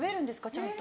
ちゃんと。